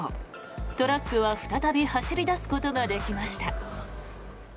トラックは再び走り出すことができました。